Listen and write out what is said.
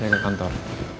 saya ke kantor